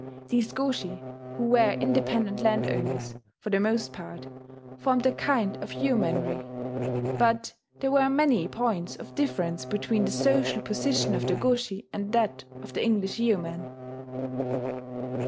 These goshi, who were independent landowners, for the most part, formed a kind of yeomanry; but there were many points of difference between the social position of the goshi and that of the English yeomen.